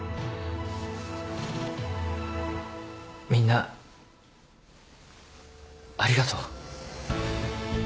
みんなありがとう。